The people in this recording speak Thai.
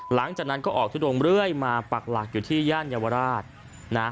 หลังจากนั้นก็ออกทุดงเรื่อยมาปักหลักอยู่ที่ย่านเยาวราชนะ